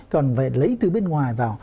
còn phải lấy từ bên ngoài vào